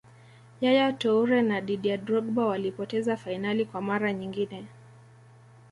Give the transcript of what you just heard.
yaya toure na didier drogba walipoteza fainali kwa mara nyingine